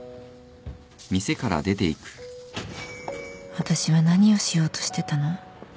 私は何をしようとしてたの？